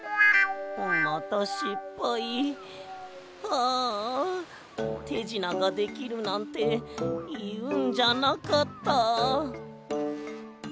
ああてじなができるなんていうんじゃなかった。